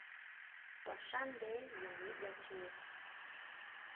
¿Kuaxaʼnde ya niyá chjine?